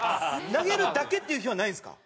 投げるだけっていう日はないんですか？